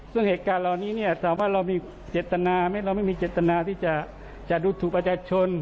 ซึ่งเหตุการณ์เหล่านี้เนี่ยถามว่าเรามีเจตนาไหมเราไม่มีเจตนาที่จะดูถูกประชาชน